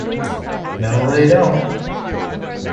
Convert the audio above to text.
No, they don't!